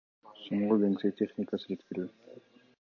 сомго кеңсе техникасын жеткирүү.